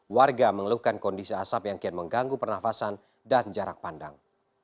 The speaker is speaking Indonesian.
warga mengeluhkan kondisi asap yang kian mengganggu pernafasan dan jarak pandang